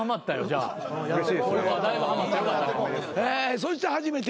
そして初めて。